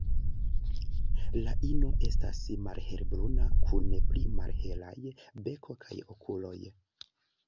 La ino estas malhelbruna kun pli malhelaj beko kaj okuloj.